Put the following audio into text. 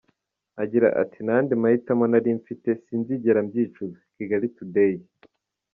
Agira ati “Nta yandi mahitamo nari mfite, sinzigera mbyicuza!”Kigali Tudeyi.